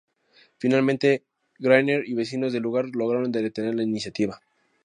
Finalmente, Granier y vecinos del lugar lograron detener la iniciativa.